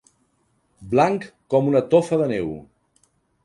Blanc com una tofa de neu.